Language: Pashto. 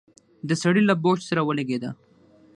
د سړي له بوټ سره ولګېده.